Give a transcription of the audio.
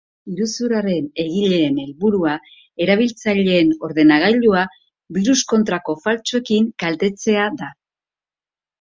Iruzurraren egileen helburua, erabiltzaileen ordenagailua biruskontrako faltsuekin kaltetzea da.